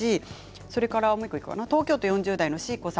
それから東京都４０代の方です。